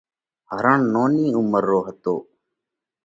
هرڻ نونِي عُمر رو هتو۔